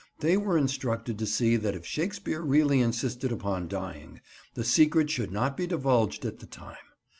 They were instructed to see that if Shakespeare really insisted upon dying, the secret should not be divulged at the time.